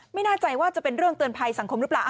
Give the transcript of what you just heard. ไม่แน่ใจว่าจะเป็นเรื่องเตือนภัยสังคมหรือเปล่า